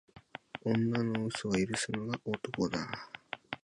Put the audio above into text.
女の嘘は許すのが男だ